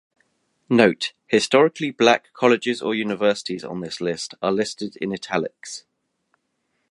Note: "Historically black colleges or universities on this list are listed in italics".